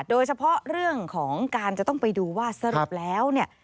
โดยเฉพาะเรื่องของการจะต้องไปดูว่าสรุปแล้วเนี่ย